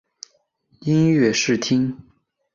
音乐试听